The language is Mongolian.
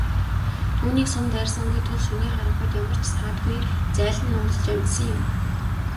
Түүнийг сум дайрсангүй тул шөнийн харанхуйд ямар ч саадгүй зайлан нуугдаж амжсан юм.